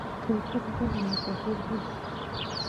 کرکټ ولې مشهور دی؟